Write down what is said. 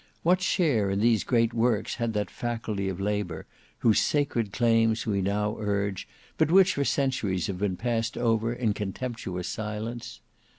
What share in these great works had that faculty of Labour whose sacred claims we now urge, but which for centuries have been passed over in contemptuous silence?